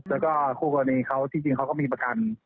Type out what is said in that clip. แล้วก็คู่กรณีเขาที่จริงเขาก็มีประกัน